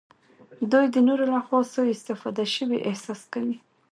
دوی د نورو لخوا سوء استفاده شوي احساس کوي.